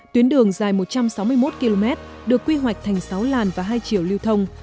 tuyến đường dài một trăm sáu mươi một km được quy hoạch thành sáu làn và hai chiều lưu thông